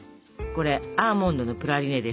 これがアーモンドのプラリネです。